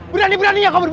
berani beraninya kau berburu